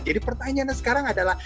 jadi pertanyaannya sekarang adalah